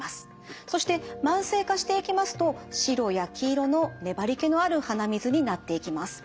そして慢性化していきますと白や黄色の粘りけのある鼻水になっていきます。